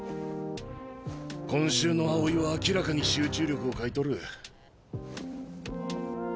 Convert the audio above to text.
今週の青井は明らかに集中力を欠いとる。